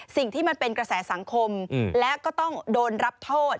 สิ่งที่มันเป็นกระแสสังคมและก็ต้องโดนรับโทษ